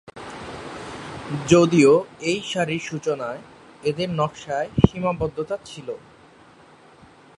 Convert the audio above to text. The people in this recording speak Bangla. যদিও এই শাড়ির সূচনায় এদের নকশায় সীমাবদ্ধতা ছিল।